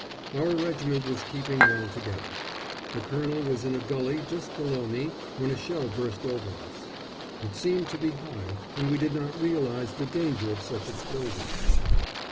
Our regiment was keeping well together. The colonel was in a gulley just below me when a shell burst over us. It seemed to be high, and we did not realise the danger of such explosions.